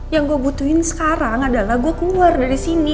yang gua butuhin sekarang adalah gua keluar dari sini